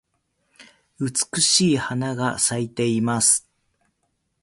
美しい花が咲いています。